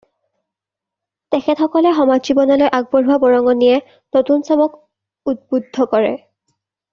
তেখেত সকলে সমাজ জীৱনলৈ আগবঢ়োৱা বৰঙনিয়ে নতুন চমক উদ্বুদ্ধ কৰে।